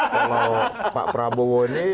kalau pak prabowo ini